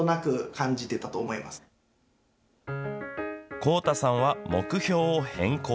幸太さんは目標を変更。